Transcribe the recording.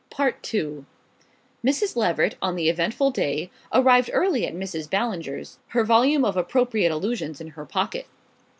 II Mrs. Leveret, on the eventful day, arrived early at Mrs. Ballinger's, her volume of Appropriate Allusions in her pocket.